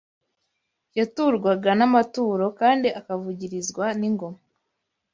yaturwaga n’amaturo kandi akavugirizwa n’ingoma